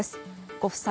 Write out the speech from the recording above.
ご夫妻